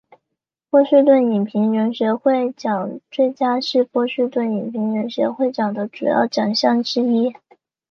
波士顿影评人协会奖最佳是波士顿影评人协会奖的主要奖项之一。